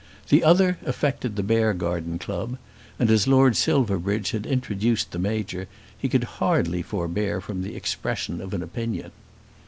The other affected the Beargarden Club; and, as Lord Silverbridge had introduced the Major, he could hardly forbear from the expression of an opinion.